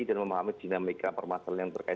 dan memahami dinamika permasalahan yang terkait